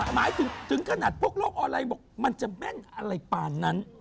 หมายถึงขนาดพวกโลกออนไลน์บอกมันจะแม่นอะไรปานนั้น